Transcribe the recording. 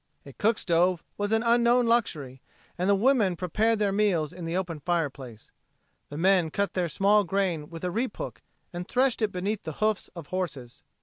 A cook stove was an unknown luxury, and the women prepared their meals in the open fireplace. The men cut their small grain with a reap hook and threshed it beneath the hoofs of horses.